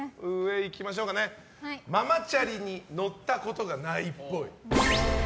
まず、ママチャリに乗ったことがないっぽい。